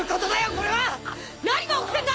これは！何が起きてんだ！？